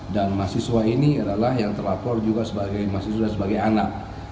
dan mahasiswa ini adalah yang terlapor juga sebagai mahasiswa dan sebagai anak